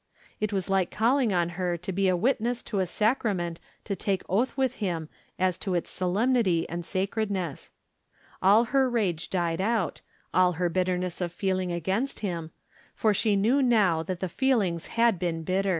It was like calling on her to be a witness to a sacrament to take oath with him as to its so lemnity and sacredness. All her rage died out, all her bitterness of feeling against him, for she knew now that the feelings had been bitter.